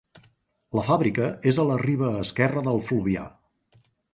La fàbrica és a la riba esquerra del Fluvià.